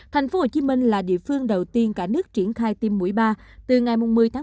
thành phố hồ chí minh là địa phương đầu tiên cả nước triển khai tiêm mũi ba từ ngày một mươi một mươi hai hai nghìn hai mươi